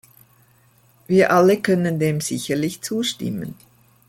Wir alle können dem sicherlich zustimmen.